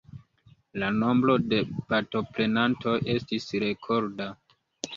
La nombro de partoprenantoj estis rekorda.